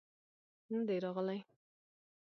نه دى راغلى.